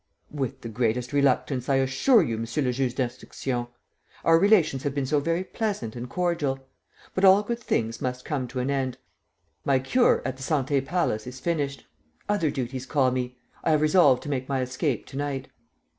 "With the greatest reluctance, I assure you, Monsieur le Juge d'Instruction. Our relations have been so very pleasant and cordial! But all good things must come to an end. My cure at the Santé Palace is finished. Other duties call me. I have resolved to make my escape to night."